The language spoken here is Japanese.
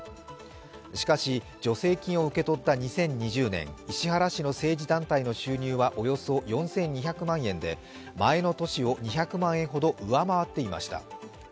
しかし助成金を受け取った２０２０年、石原氏の政治団体の収入はおよそ４２００万円で前の年を２００万円ほど上回っていました。